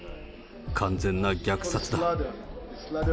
完全な虐殺だ。